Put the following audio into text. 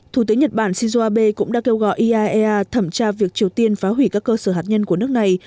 thủ tướng nhật bản shinzo abe cũng đã kêu gọi iaea thẩm tra việc triều tiên phá hủy các cơ sở hạt nhân của nước này